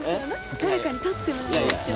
誰かに撮ってもらいましょう。